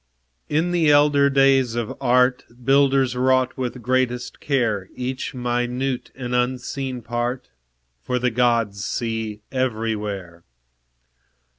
In the elder days of Art, Builders wrought with greatest care Each minute and unseen part; For the Gods see everywhere.